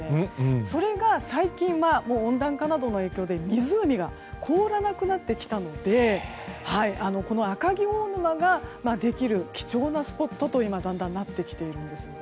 それが最近は温暖化などの影響で湖が凍らなくなってきたのでこの赤城大沼ができる貴重なスポットと今、だんだんなってきているんですよね。